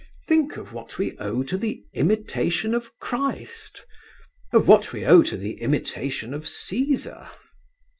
Think of what we owe to the imitation of Christ, of what we owe to the imitation of Cæsar.